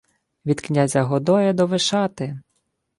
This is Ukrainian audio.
— Від князя Годоя до Вишати!